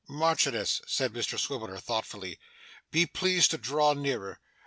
'Marchioness,' said Mr Swiveller, thoughtfully, 'be pleased to draw nearer.